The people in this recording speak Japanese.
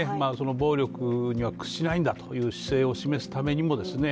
暴力には屈しないんだという姿勢を示すためにもですね